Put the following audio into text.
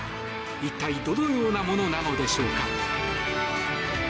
一体どのようなものなのでしょうか。